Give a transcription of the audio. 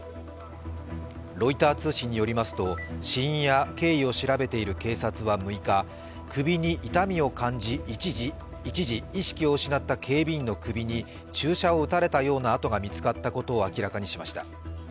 ロイター通信によりますと、死因や経緯を調べている警察は６日首に痛みを感じ、一時意識を失った警備員の首に注射を打たれたような痕が見つかったことを明らかにしました。